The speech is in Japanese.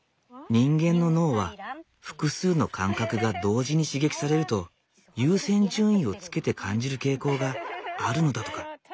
人間の脳は複数の感覚が同時に刺激されると優先順位をつけて感じる傾向があるのだとか。